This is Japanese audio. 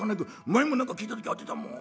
前も何か聞いた時当てたもん。